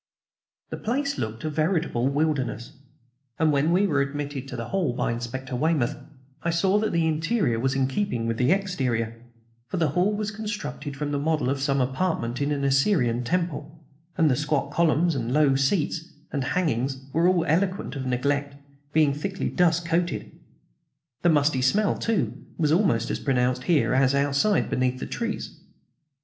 The place looked a veritable wilderness, and when we were admitted to the hall by Inspector Weymouth I saw that the interior was in keeping with the exterior, for the hall was constructed from the model of some apartment in an Assyrian temple, and the squat columns, the low seats, the hangings, all were eloquent of neglect, being thickly dust coated. The musty smell, too, was almost as pronounced here as outside, beneath the trees.